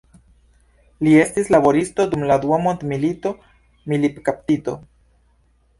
Li estis laboristo, dum la dua mondmilito militkaptito.